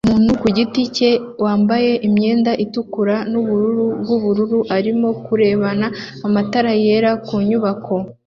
Umuntu ku giti cye wambaye imyenda itukura nubururu bwubururu arimo kurebana matara yera ku nyubako